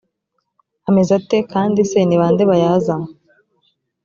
ameze ate kandi se ni ba nde bayazamo